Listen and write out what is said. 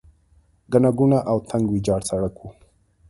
ګڼه ګوڼه او تنګ ویجاړ سړک و.